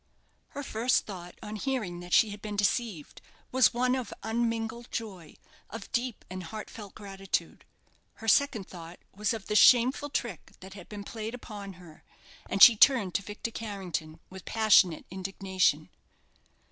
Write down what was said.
Her first thought, on hearing that she had been deceived, was one of unmingled joy, of deep and heartfelt gratitude. Her second thought was of the shameful trick that had been played upon her; and she turned to Victor Carrington with passionate indignation.